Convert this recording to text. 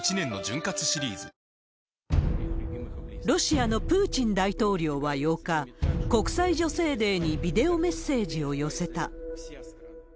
ロシアのプーチン大統領は８日、国際女性デーにビデオメッセージを寄せた。